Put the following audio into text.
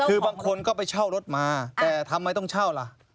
คือบางคนก็ไปเช่ารถมาแต่ทำไมต้องเช่าล่ะ